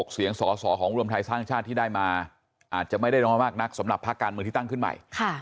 เสียงสอสอของรวมไทยสร้างชาติที่ได้มาอาจจะไม่ได้น้อยมากนักสำหรับภาคการเมืองที่ตั้งขึ้นใหม่